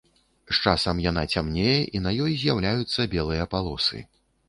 З часам яна цямнее, на ёй з'яўляюцца белыя палосы.